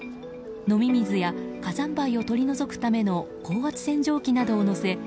飲み水や火山灰を取り除くための高圧洗浄機などを載せ